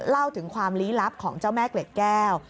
เล่าถึงความลี้ลับของเจ้าแม่เกล็ดแก้ว